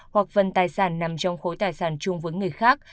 hoặc phần tài sản nằm trong khối tài sản chung với người khác